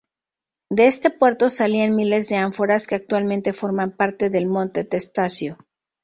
De este puerto salían miles de ánforas que actualmente forman parte del monte Testaccio.